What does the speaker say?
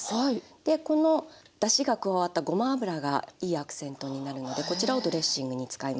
でこのだしが加わったごま油がいいアクセントになるのでこちらをドレッシングに使います。